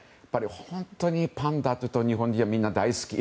本当にパンダというと日本人はみんな大好き。